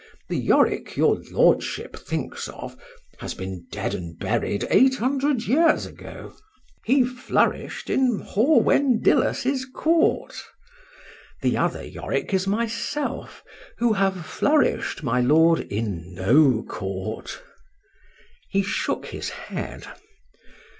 The Yorick your Lordship thinks of, has been dead and buried eight hundred years ago; he flourished in Horwendillus's court;—the other Yorick is myself, who have flourished, my Lord, in no court.—He shook his head.